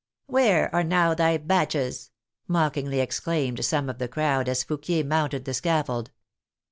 " Where are now thy batches?*' mockingly exclaimed some of the crowd, as Fouquier mounted the scaffold.